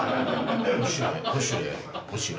『ポシュレ』『ポシュレ』？